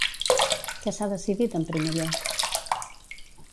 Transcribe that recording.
Què s'ha decidit en primer lloc?